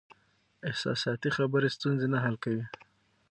احساساتي خبرې ستونزې نه حل کوي.